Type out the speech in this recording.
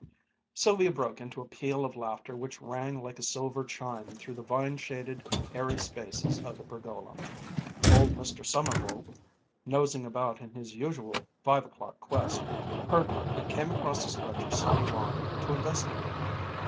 Sylvia broke into a peal of laughter which rang like a silver chime through the vine shaded, airy spaces of the pergola. Old Mr. Sommerville, nosing about in his usual five o'clock quest, heard her and came across the stretch of sunny lawn to investigate.